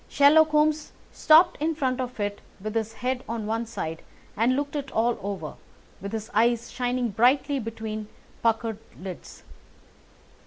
Sherlock Holmes stopped in front of it with his head on one side and looked it all over, with his eyes shining brightly between puckered lids.